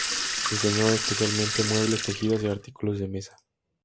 Diseñó especialmente muebles, tejidos y artículos de mesa.